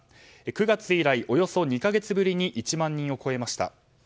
９月以来およそ２か月ぶりに１万人を超えました。